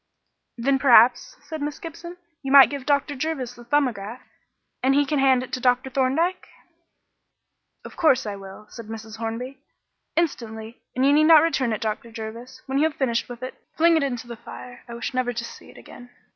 "Then, perhaps," said Miss Gibson, "you might give Dr. Jervis the 'Thumbograph' and he can hand it to Dr. Thorndyke." "Of course I will," said Mrs. Hornby; "instantly; and you need not return it, Dr. Jervis. When you have finished with it, fling it into the fire. I wish never to see it again."